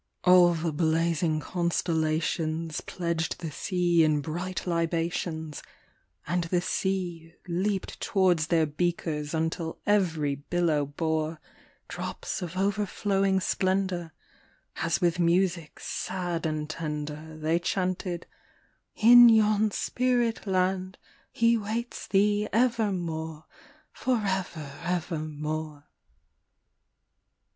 All the blazing constellations pledged the sea in bright libations, And the sea leaped towards their beakers until every billow bore Drops of overflowing splendor, as with music sad and tender. They chanted, " In yon spirit land he waits thee evermore, forever evermore."